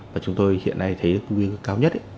và chúng tôi hiện nay thấy nguy cơ cao nhất